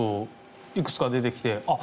いくつか出てきてあっ